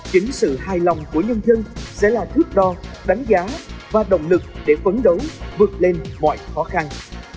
chính sự hài lòng của nhân dân sẽ là thước đo đánh giá và động lực để phấn đấu vượt lên mọi khó khăn